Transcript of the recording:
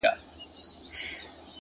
هغه به خپل زړه په ژړا وویني؛